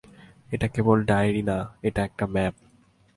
এটা কেবল ডাইরি না, এটা একটা ম্যাপ।